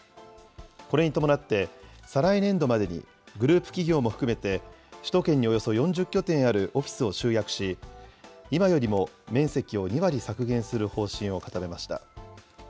これに伴って、再来年度までにグループ企業も含めて首都圏におよそ４０拠点あるオフィスを集約し、今よりも面積を２割削減する方針を固めました。